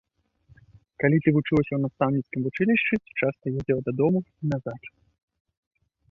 Калі ты вучылася ў настаўніцкім вучылішчы, то часта ездзіла дадому і назад.